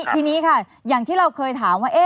ทีนี้ค่ะอย่างที่เราเคยถามว่า